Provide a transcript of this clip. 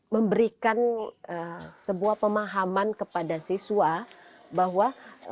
memberikan sebuah pemahaman kepada siswa bahwa